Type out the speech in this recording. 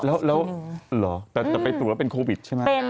แล้วเหรอแต่ไปตรวจแล้วเป็นโควิดใช่ไหม